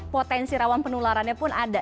potensi rawan penularannya pun ada